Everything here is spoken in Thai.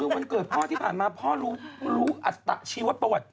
คือวันเกิดพ่อที่ผ่านมาพ่อรู้อัตตะชีวประวัติ